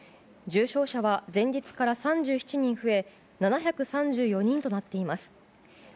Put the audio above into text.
重症者は前日から３７人増え７３４人となっています。